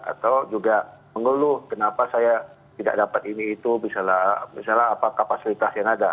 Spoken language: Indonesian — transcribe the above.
atau juga mengeluh kenapa saya tidak dapat ini itu misalnya apa kapasitas yang ada